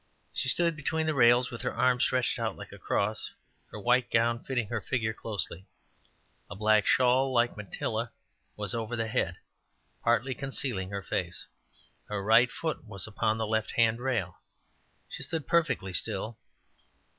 She stood between the rails with her arms stretched out like a cross, her white gown fitting her figure closely. A black, shawl like mantilla was over the head, partly concealing her face; her right foot was upon the left hand rail. She stood perfectly still.